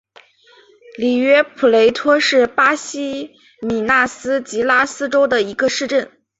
里约普雷托是巴西米纳斯吉拉斯州的一个市镇。